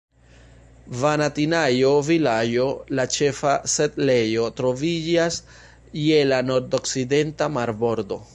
Vanatinajo-Vilaĝo, la ĉefa setlejo, troviĝas je la nordokcidenta marbordo.